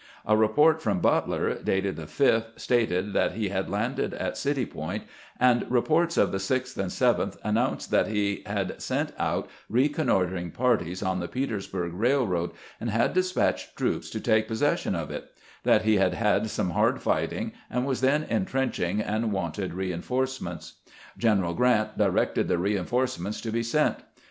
A report from But ler, dated the 5th, stated that he had landed at City Point, and reports of the 6th and 7th announced that he had sent out reconnoitering parties on the Petersburg Railroad, and had despatched troops to take possession of it ; that he had had some hard fighting, and was then intrenching, and wanted reinforcements. General Grant directed the reinforcements to be sent.